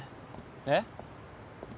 えっ？